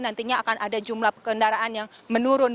nantinya akan ada jumlah kendaraan yang menurun